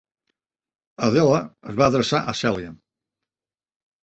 Adele es va adreçar a Celia.